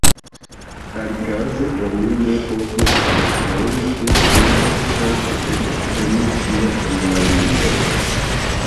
Alikaze oni ne povus kontroli, ke ne estas ekstremismo en la libroj.